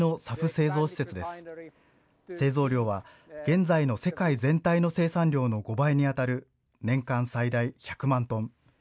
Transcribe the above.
製造量は現在の世界全体の生産量の５倍にあたる年間最大１００万トン。